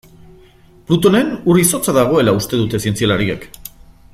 Plutonen ur-izotza dagoela uste dute zientzialariek.